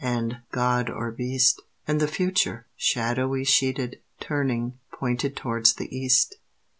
and "God or beast?" And the Future, shadowy sheeted, Turning, pointed towards the East.